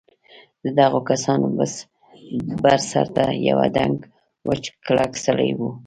د دغو کسانو بر سر ته یوه دنګ وچ کلک سړي و.